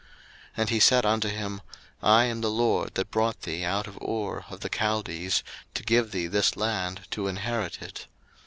01:015:007 And he said unto him, I am the LORD that brought thee out of Ur of the Chaldees, to give thee this land to inherit it.